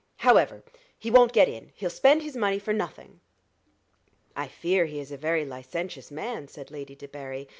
However, he won't get in he'll spend his money for nothing." "I fear he is a very licentious man," said Lady Debarry.